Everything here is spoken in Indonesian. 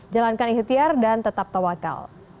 jalankan ikhtiar dan tetap tawakal